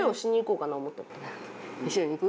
一緒に行く？